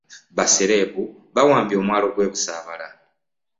Basereebu bawambye omwalo gwe Busabala.